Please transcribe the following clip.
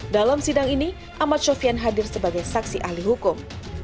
dalam sidang ini ahmad sofian hadir sebagai saksi ahli hukum